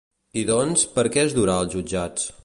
I doncs, per què es durà als jutjats?